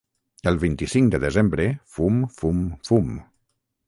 El vint-i-cinc de desembre fum fum fum